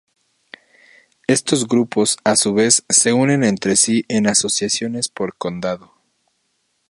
Estos grupos, a su vez, se unen entre sí en asociaciones por condado.